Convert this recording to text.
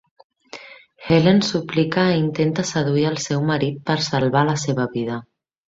Helen suplica i intenta seduir al seu marit per salvar la seva vida.